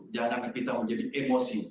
jangan kita menjadi emosi